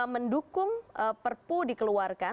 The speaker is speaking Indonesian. mendukung perpu dikeluarkan